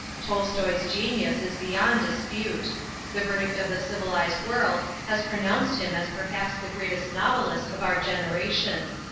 Tolstoi's genius is beyond dispute. The verdict of the civilized world has pronounced him as perhaps the greatest novelist of our generation.